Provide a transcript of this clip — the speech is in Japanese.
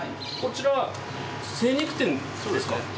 こちらは精肉店ですか？